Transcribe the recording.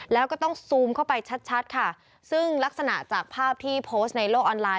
แล้วก็ต้องซูมเข้าไปชัดชัดค่ะซึ่งลักษณะจากภาพที่โพสต์ในโลกออนไลน